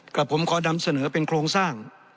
กับผมขอนำเสนอเป็นโครงสร้าง